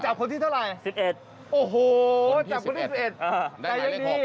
คนที่เท่าไหร่๑๑โอ้โหจับคนที่๑๑แต่ยังดี